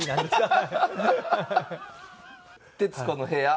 『徹子の部屋』。